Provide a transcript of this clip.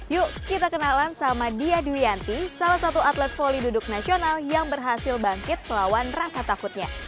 yuk kita kenalan sama dia duyanti salah satu atlet volley duduk nasional yang berhasil bangkit melawan rasa takutnya